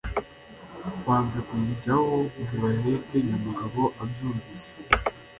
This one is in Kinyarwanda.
banze kuyijyaho ngo ibaheke!»nyamugabo abyumvise